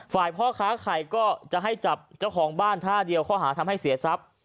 ฝ่ายพ่อค้าไข่ก็จะให้จับเจ้าของบ้านท่าเดียวข้อหาทำให้เสียทรัพย์